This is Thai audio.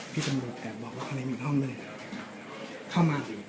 พี่สำรวจแบบว่าข้างในมีอีกห้องหนึ่งข้าวมัน